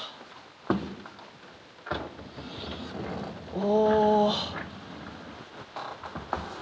お。